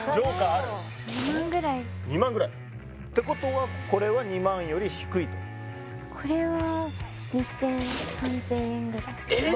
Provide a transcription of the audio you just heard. ある２万ぐらい２万ぐらいてことはこれは２万より低いとこれは２０００円３０００円ぐらいえっ！？